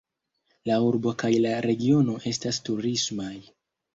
La urbo kaj la regiono estas turismaj.